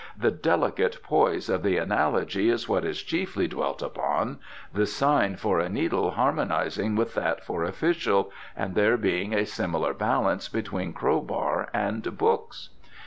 The delicate poise of the analogy is what is chiefly dwelt upon, the sign for a needle harmonizing with that for official, and there being a similar balance between crowbar and books."